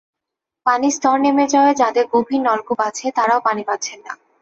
পানির স্তর নেমে যাওয়ায় যাঁদের গভীর নলকূপ আছে, তাঁরাও পানি পাচ্ছেন না।